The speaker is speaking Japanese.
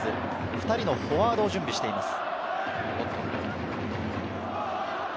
２人のフォワードを準備しています。